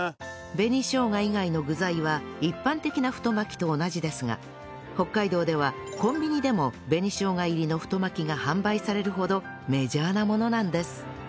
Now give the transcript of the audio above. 紅生姜以外の具材は一般的な太巻きと同じですが北海道ではコンビニでも紅生姜入りの太巻きが販売されるほどメジャーなものなんです